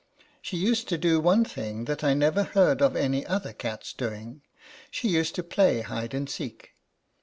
She used to do one thing that I never heard of any other cat's doing : she used to play hide and seek.